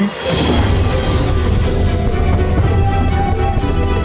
ในแต่ละครั้ง